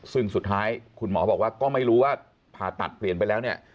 ซึ่งสุดท้ายคุณหมอบอกว่าก็ไม่รู้ว่าผ่าตัดเปลี่ยนไปแล้วเนี่ย